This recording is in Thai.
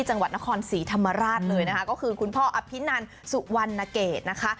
จังหวัดนครศรีธรรมราชเลยนะคะก็คือคุณพ่ออภินันสุวรรณเกตนะคะ